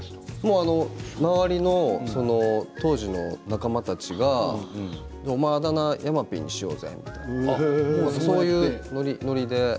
周りの当時の仲間たちがお前あだ名、山Ｐにしようぜってそういうのりで。